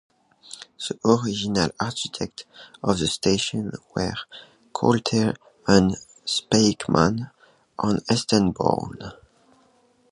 The original architects of the station were Corlett and Spackman and Ernest Born.